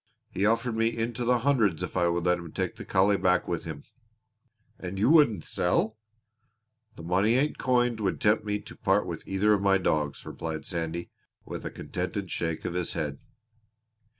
He offered me into the hundreds if I would let him take the collie back with him." "And you wouldn't sell?" "The money ain't coined would tempt me to part with either of my dogs!" Sandy replied, with a contented shake of his head.